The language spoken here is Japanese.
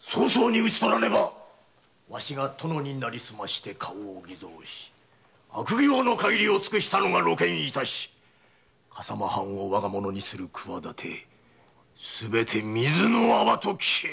早々に討ち取らねばわしが殿になりすまして花押を偽造悪行の限りを尽くしたのが露見し笠間藩を我がものにする企てすべて水の泡と消える。